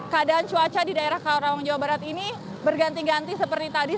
keadaan cuaca di daerah karawang jawa barat ini berganti ganti seperti tadi